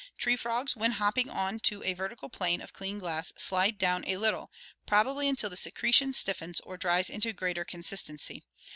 "Tree frogs, when hopping on to a vertical plane of clean glass, slide down a little, probably until the secretion stiffens, or dries into greater consistency.